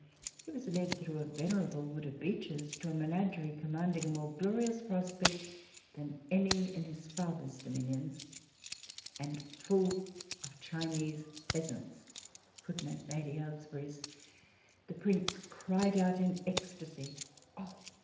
He was led through a venerable wood of beeches, to a menagerie commanding a more glorious prospect than any in his father's dominions, and full of Chinese pheasants. The prince cried out in extasy, Oh!